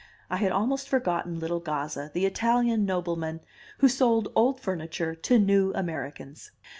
I had almost forgotten little Gazza, the Italian nobleman, who sold old furniture to new Americans.